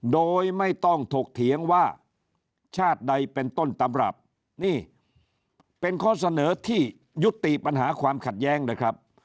โดยไม่ต้องถกเถียงว่าชาติใดเป็นต้นตำรับนี่เป็นข้อเสนอที่ยุติปัญหาความขัดแย้งนะครับ